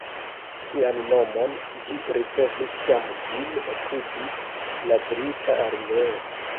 Sian nomon ĝi ricevis kiam ĝin ekuzis la Brita Armeo.